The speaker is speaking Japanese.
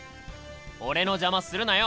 俺の邪魔するなよ？